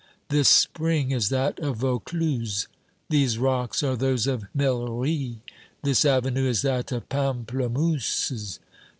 This spring is that of Vaucluse, these rocks are those of Meillerie, this avenue is that of Pamplemousses.